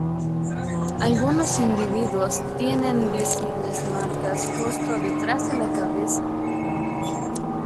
Algunos individuos tienen visibles marcas justo detrás de la cabeza.